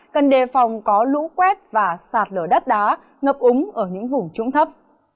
cần đề phòng có lũ quét và sạt lở đất đá ngập úng ở những vùng trũng thấp